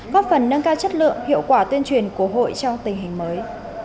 góp phần nâng cao chất lượng hiệu quả tuyên truyền của hội trong tình hình mới